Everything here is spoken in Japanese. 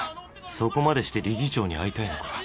そこまでして理事長に会いたいのか？